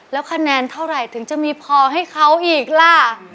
แล้วคะแนนเท่าไหร่ถึงจะมีพอให้เขาอีกล่ะ